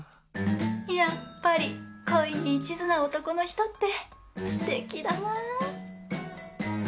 やっぱり恋に一途な男の人ってすてきだな！